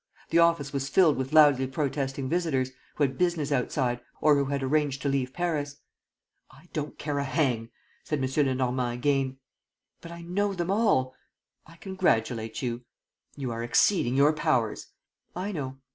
The office was filled with loudly protesting visitors, who had business outside, or who had arranged to leave Paris. "I don't care a hang!" said M. Lenormand again. "But I know them all." "I congratulate you." "You are exceeding your powers." "I know."